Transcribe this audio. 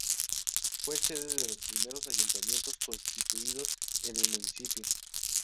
Fue sede de los primeros ayuntamientos constituidos en el municipio.